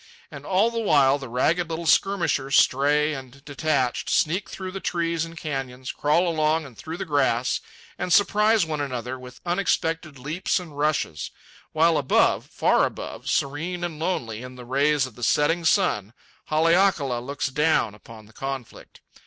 And all the while the ragged little skirmishers, stray and detached, sneak through the trees and canyons, crawl along and through the grass, and surprise one another with unexpected leaps and rushes; while above, far above, serene and lonely in the rays of the setting sun, Haleakala looks down upon the conflict.